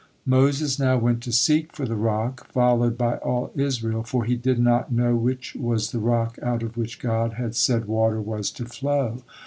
'" Moses now went to seek for the rock, followed by all Israel, for he did not know which was the rock out of which God had said water was to flow.